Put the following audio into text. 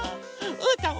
うーたんは？